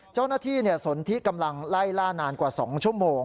เจ้าหน้าที่สนที่กำลังไล่ล่านานกว่า๒ชั่วโมง